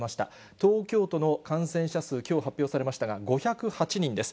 東京都の感染者数、きょう発表されましたが、５０８人です。